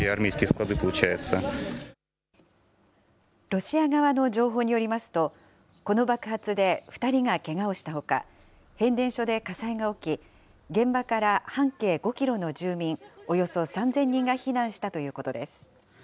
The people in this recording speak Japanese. ロシア側の情報によりますと、この爆発で２人がけがをしたほか、変電所で火災が起き、現場から半径５キロの住民およそ３０００人が避難したということです。